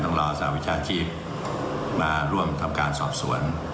ต้องรอสหวิชาชีพมาร่วมทำการสอบสวน